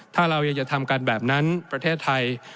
ถ้าเรายังจะทำกันแบบนั้นประเทศไทย